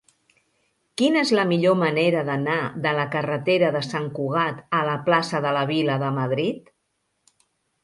Quina és la millor manera d'anar de la carretera de Sant Cugat a la plaça de la Vila de Madrid?